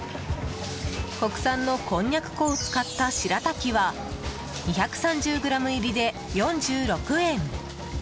国産のこんにゃく粉を使ったしらたきは２３０ｇ入りで４６円。